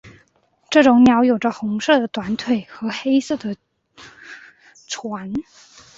这种鸟有着红色的短腿和黑色的喙。